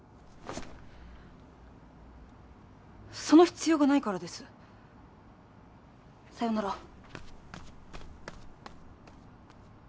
その必要がないからですさようなら